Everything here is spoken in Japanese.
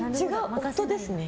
夫ですね。